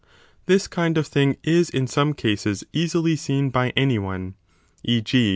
This kind ro of thing is in some cases easily seen by any one, e. g.